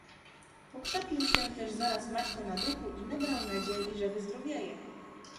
"Pokrzepił się też zaraz Maćko na duchu i nabrał nadziei, że wyzdrowieje."